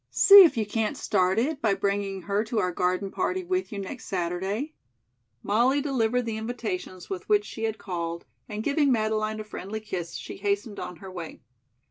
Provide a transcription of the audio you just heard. "See if you can't start it by bringing her to our garden party with you next Saturday." Molly delivered the invitations with which she had called, and giving Madeleine a friendly kiss, she hastened on her way.